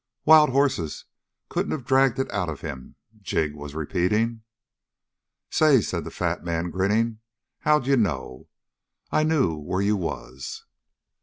"Wild horses couldn't have dragged it out of him!" Jig was repeating. "Say," said the fat man, grinning, "how d'you know I knew where you was?"